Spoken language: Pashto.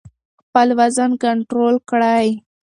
خپل وزن کنټرول کړئ.